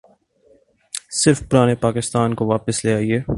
صرف پرانے پاکستان کو واپس لے آئیے۔